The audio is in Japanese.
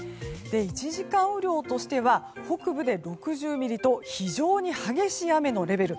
１時間雨量としては北部で６０ミリと非常に激しい雨のレベル。